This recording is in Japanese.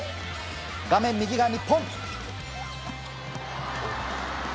画面右が日本。